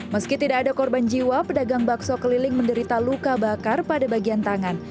meski tidak ada korban jiwa pedagang bakso keliling menderita luka bakar pada bagian tangan